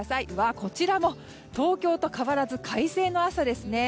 こちらも東京と変わらず快晴の朝ですね。